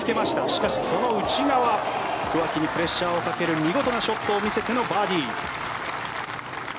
しかしその内側桑木にプレッシャーをかける見事なショットを見せてのバーディー。